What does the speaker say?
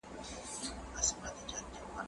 زه کتابتون ته نه ځم،